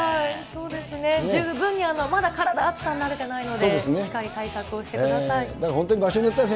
そうですね、十分にまだ体、暑さに慣れてないので、しっかり対策をしてください。